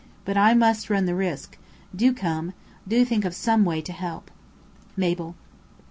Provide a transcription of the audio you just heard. But I must run the risk. Do come. Do think of some way to help. "MABEL.